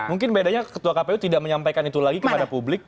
mungkin bedanya ketua kpu tidak menyampaikan itu lagi kepada publik